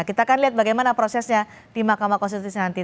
kita akan lihat bagaimana prosesnya di mahkamah konstitusi nanti